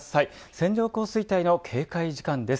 線状降水帯の警戒時間です。